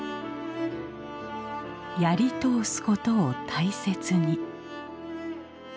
やり通すことを大切に。